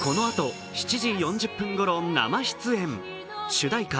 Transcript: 主題歌